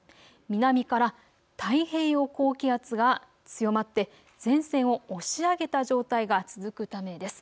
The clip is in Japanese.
南から太平洋高気圧が強まって前線を押し上げた状態が続くためです。